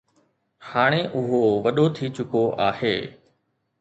هاڻي اهو وڏو ٿي چڪو آهي